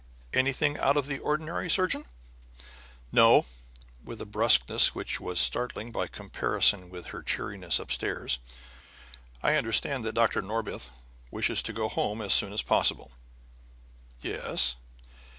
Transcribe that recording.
"Anything out of the ordinary, surgeon?" "No," with a bruskness which was startling by comparison with her cheeriness upstairs. "I understand that Dr. Norbith wishes to go home as soon as possible?" "Yes."